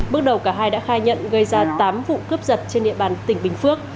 bước đầu cả hai đã khai nhận gây ra tám vụ cướp giật trên địa bàn tỉnh bình phước